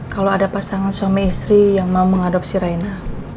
kalau ada pasangan suami istri yang mau mengadopsi raina